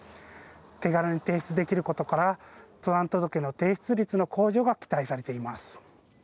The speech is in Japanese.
手軽に提出できることから、登山届の提出率の向上が期待されています。